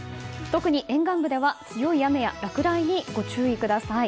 特に沿岸部では強い雨や落雷にご注意ください。